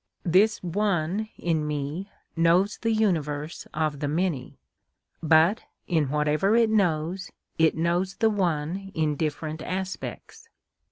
This One in me knows the universe of the many. But, in whatever it knows, it knows the One in different aspects.